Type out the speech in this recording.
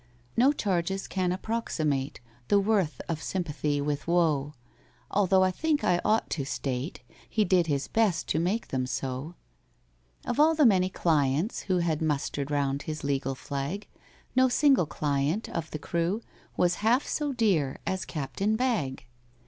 No charges can approximate The worth of sympathy with woe;— Although I think I ought to state He did his best to make them so. Of all the many clients who Had mustered round his legal flag, No single client of the crew Was half so dear as CAPTAIN BAGG.